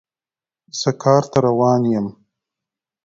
زه کار ته روان یم